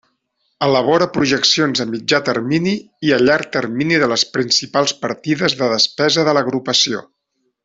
Elabora projeccions a mitjà termini i a llarg termini de les principals partides de despesa de l'agrupació.